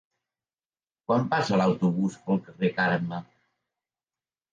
Quan passa l'autobús pel carrer Carme?